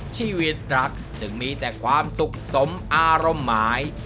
ชีวิตรักจึงมีแต่ความสุขสมอารมณ์หมาย